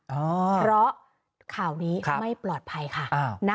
เพราะข่าวนี้ไม่ปลอดภัยค่ะ